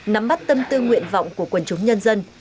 nắm bắt tâm tư nguyện vọng của quần chúng nhân dân